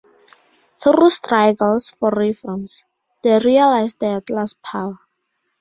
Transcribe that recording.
Through struggles for reforms, they realize their class power.